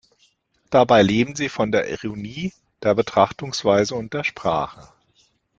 Dabei leben sie von der Ironie der Betrachtungsweise und der Sprache.